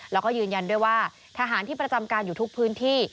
แล้วก็ยืนยันด้วยว่าทหารที่ประจำการอยู่ทุกพื้นที่